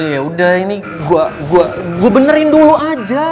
ya udah ini gue benerin dulu aja